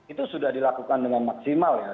itu sudah dilakukan dengan maksimal ya